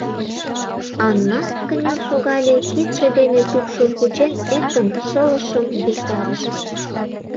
Аннат кынел шогале, кидше дене тупшым кучен, эркын шылыжшым виктарыш.